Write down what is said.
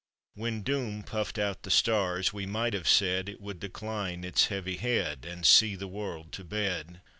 When doom puffed out the stars, we might have said, It would decline its heavy head, And see the world to bed.